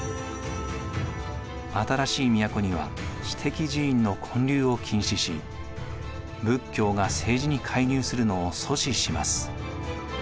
新しい都には私的寺院の建立を禁止し仏教が政治に介入するのを阻止します。